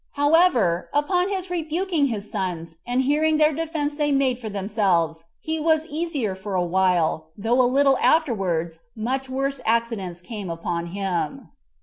However, upon his rebuking his sons, and hearing the defense they made for themselves, he was easier for a while, though a little afterwards much worse accidents came upon him.